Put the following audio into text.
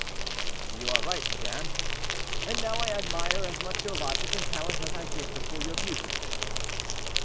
"You are right, madame; and now I admire as much your logic and talent as I did before your beauty."